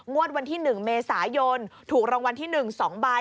วันที่๑เมษายนถูกรางวัลที่๑๒ใบ